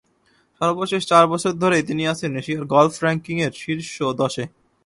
সর্বশেষ চার বছর ধরেই তিনি আছেন এশিয়ার গলফ র্যাঙ্কিংয়ের শীর্ষ দশে।